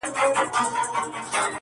o خط د ټکي څخه شروع کېږي!